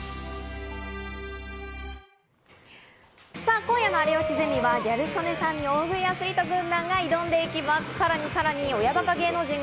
今夜の『有吉ゼミ』はギャル曽根さんに大食いアスリート軍団が挑んでいきます。